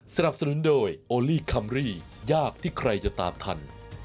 สนับสนุนโดยโอลี่คัมรี่ยากที่ใครจะตามทัน